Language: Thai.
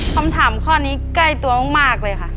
คำถามข้อนี้ใกล้ตัวมากเลยค่ะ